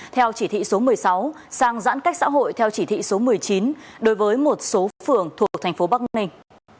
theo chỉ thị số một mươi sáu sang giãn cách xã hội theo chỉ thị số một mươi chín đối với một số phường thuộc thành phố bắc ninh